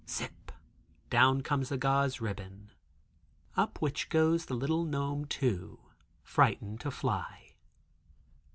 Zip, down comes a gauze ribbon, up which goes the little gnome too frightened to fly.